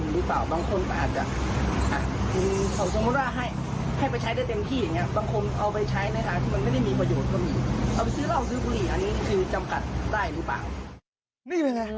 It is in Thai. นี่เป็นยังไง